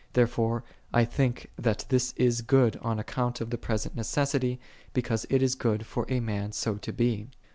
Therefore I think that this is good on account of the present necessity, because it is good for a man so to be."